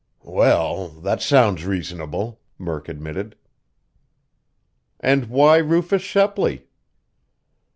"Well, that sounds reasonable," Murk admitted. "And why Rufus Shepley?"